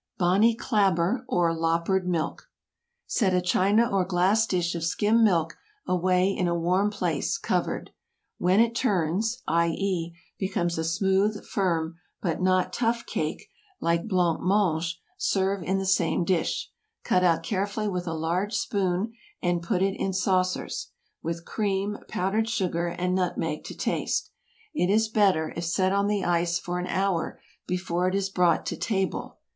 BONNY CLABBER, OR LOPPERED MILK. ✠ Set a china or glass dish of skimmed milk away in a warm place, covered. When it turns—i. e., becomes a smooth, firm, but not tough cake, like blanc mange—serve in the same dish. Cut out carefully with a large spoon, and put in saucers, with cream, powdered sugar, and nutmeg to taste. It is better, if set on the ice for an hour before it is brought to table.